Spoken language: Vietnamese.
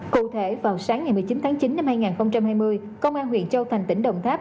cụ thể vào sáng ngày một mươi chín tháng chín năm hai nghìn hai mươi công an huyện châu thành tỉnh đồng tháp